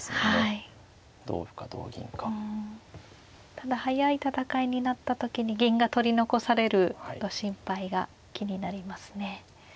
ただ早い戦いになった時に銀が取り残される心配が気になりますね。